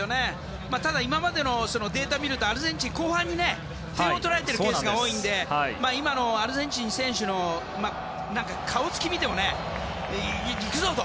ただ、今までのデータを見るとアルゼンチン後半に点を取られているケースが多いのでアルゼンチンの選手の顔つきを見てもねいくぞ！と。